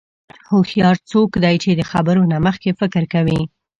هوښیار څوک دی چې د خبرو نه مخکې فکر کوي.